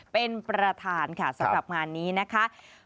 เป็นประธานค่ะสำหรับงานนี้นะคะ